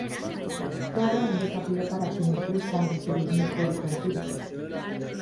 Todo un desafío para quienes gustan del turismo histórico empírico.